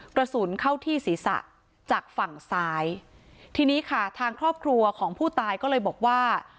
กระสุนเข้าที่ศีรษะจากฝั่งซ้ายทีนี้ค่ะทางครอบครัวของผู้ตายก็เลยบอกว่า